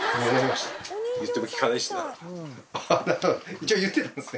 一応言ってたんですね。